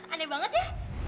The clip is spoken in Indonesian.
aneh banget ya